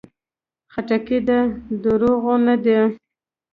خټکی د دروغو نه ده.